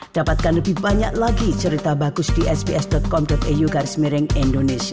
dapatkan lebih banyak lagi cerita bagus di sps com eu garis miring indonesia